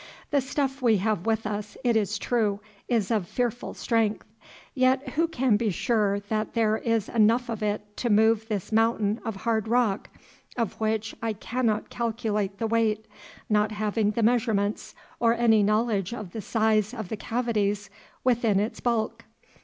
The stuff we have with us, it is true, is of fearful strength, yet who can be sure that there is enough of it to move this mountain of hard rock, of which I cannot calculate the weight, not having the measurements or any knowledge of the size of the cavities within its bulk.